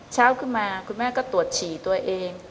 เช้าขึ้นมาคุณแม่ก็ตรวจฉี่ตัวเอง